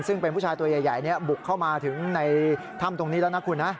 ซึ่งเป็นผู้ชายตัวใหญ่บุกเข้ามาถึงในถ้ำตรงนี้แล้วนะคุณนะ